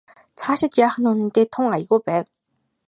Цаашид яах нь үнэндээ тун аягүй байв.